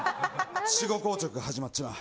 死後硬直が始まっちまう。